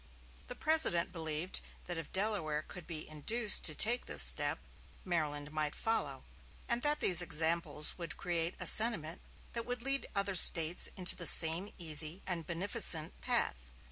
The President believed that if Delaware could be induced to take this step, Maryland might follow, and that these examples would create a sentiment that would lead other States into the same easy and beneficent path.